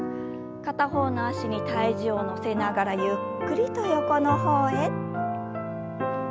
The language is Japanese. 片方の脚に体重を乗せながらゆっくりと横の方へ。